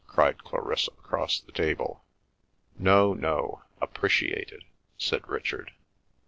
cried Clarissa across the table. "No, no. Appreciated," said Richard.